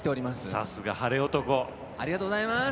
さすが晴れ男。